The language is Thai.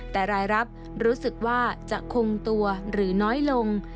แต่รายรับรู้สึกว่าจะคงตัวหรือน้อยลง